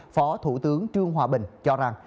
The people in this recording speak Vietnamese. phó thủ tướng trương hòa bình cho rằng